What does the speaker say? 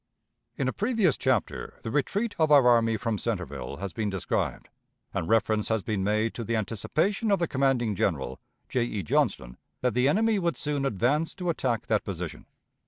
In a previous chapter the retreat of our army from Centreville has been described, and reference has been made to the anticipation of the commanding general, J. E. Johnston, that the enemy would soon advance to attack that position.